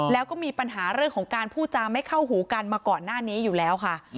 แล้วก็มีปัญหาเรื่องของการพูดจาไม่เข้าหูกันมาก่อนหน้านี้อยู่แล้วค่ะ